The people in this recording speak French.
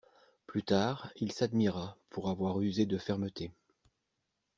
Plus tard, il s'admira pour avoir usé de fermeté.